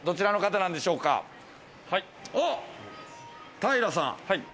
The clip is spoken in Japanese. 平さん。